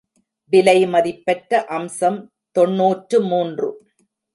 விலை மதிப்பற்ற அம்சம் தொன்னூற்று மூன்று.